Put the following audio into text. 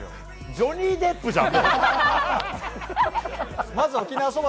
ジョニー・デップじゃん。